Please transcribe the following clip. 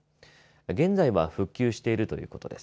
現在は復旧しているということです。